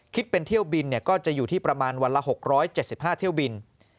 เป็นเที่ยวบินก็จะอยู่ที่ประมาณวันละ๖๗๕เที่ยวบิน